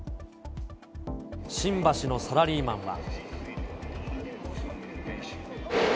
新橋のサラリーマンは。